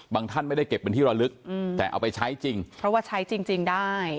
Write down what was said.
ท่านไม่ได้เก็บเป็นที่ระลึกแต่เอาไปใช้จริงเพราะว่าใช้จริงได้